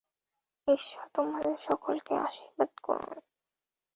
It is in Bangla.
ঈশ্বর তোমাদের সকলকে আশীর্বাদ করুন।